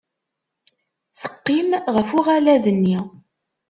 Teqqim ɣef uɣalad-nni.